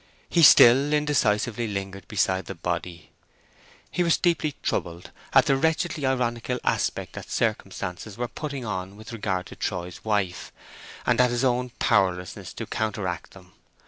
He still indecisively lingered beside the body. He was deeply troubled at the wretchedly ironical aspect that circumstances were putting on with regard to Troy's wife, and at his own powerlessness to counteract them.